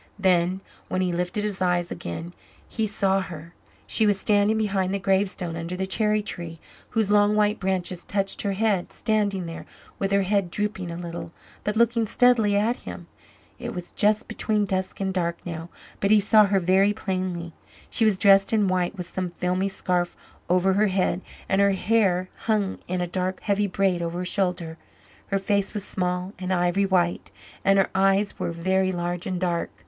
Then, when he lifted his eyes again, he saw her! She was standing behind the gravestone, under the cherry tree, whose long white branches touched her head; standing there, with her head drooping a little, but looking steadily at him. It was just between dusk and dark now, but he saw her very plainly. She was dressed in white, with some filmy scarf over her head, and her hair hung in a dark heavy braid over her shoulder. Her face was small and ivory white, and her eyes were very large and dark.